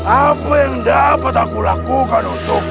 apa yang dapat aku lakukan untuk